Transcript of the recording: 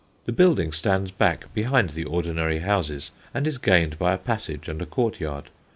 The building stands back, behind the ordinary houses, and is gained by a passage and a courtyard.